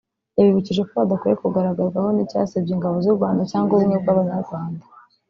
yabibukije ko badakwiye kugaragarwaho n’icyasebya ingabo z’u Rwanda cyangwa ubumwe bw’Abanyarwanda